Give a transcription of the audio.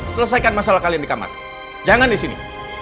selesaikan masalah kalian di kamar jangan disini